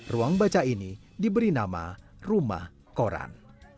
ruang baca ini diberi nama rumah koran